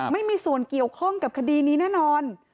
ไม่มีส่วนเกี่ยวข้องกับคดีนี้แน่นอน